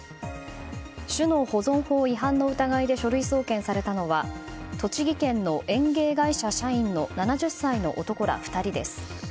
種の保存法違反の疑いで書類送検されたのは栃木県の園芸会社社員の７０歳の男ら２人です。